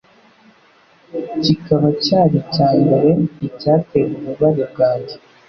kikaba cyari icyambere icyateye ububabare bwanjye